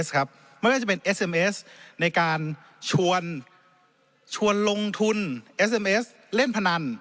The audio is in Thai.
ครับไม่ว่าจะเป็นในการชวนชวนลงทุนเล่นพนัน